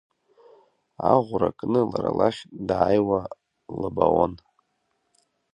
Аӷәра кны лара лахь дааиуа лыбаон.